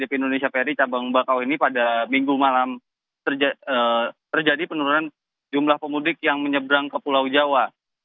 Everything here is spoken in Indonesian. di indonesia peri cabang bakau ini pada minggu malam terjadi penurunan jumlah pemudik yang menyeberang ke pulau jawa